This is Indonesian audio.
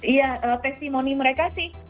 iya testimoni mereka sih